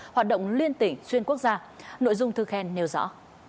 hoạt động liên tỉnh xuyên quốc gia nội dung thư khen nêu rõ